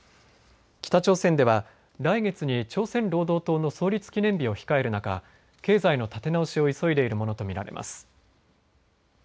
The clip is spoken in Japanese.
北朝鮮では来月に朝鮮労働党の創立記念日を控える中、経済の立て直しを急いでいるものと見られます。